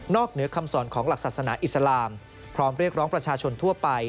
เหนือคำสอนของหลักศาสนาอิสลามพร้อมเรียกร้องประชาชนทั่วไป